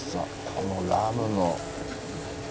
このラムの。